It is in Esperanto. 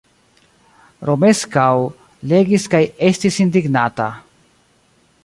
Romeskaŭ legis kaj estis indignata.